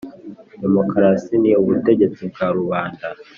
demokarasi ni ubutegetsi bwa rubanda.